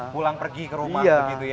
pulang pergi ke rumah begitu ya